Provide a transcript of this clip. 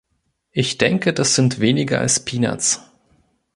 Ich denke, das sind weniger als Peanuts.